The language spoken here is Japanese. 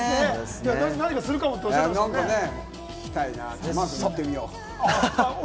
何かするかもっておっしゃってましたよね。